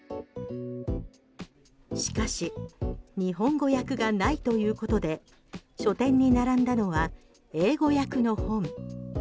しかし日本語訳がないということで書店に並んだのは英語訳の本。